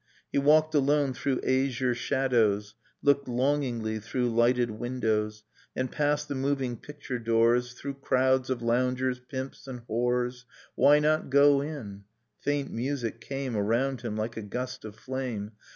He walked alone through azure shadows. Looked longingly through lighted windows, And passed the moving picture doors Through crowds of loungers, pimps and whores Why not go in? Faint music came Around him like a gust of flame.